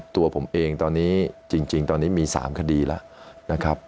ตัวผมเองตอนนี้จริงตอนนี้มี๓คดีแล้วนะครับ